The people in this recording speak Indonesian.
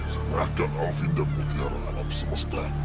senangkan alvin dan putihara alam semesta